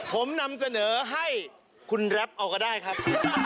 ผมนำเสนอให้คุณแรปเอาก็ได้ครับ